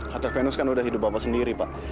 hotel venus kan sudah hidup bapak sendiri pak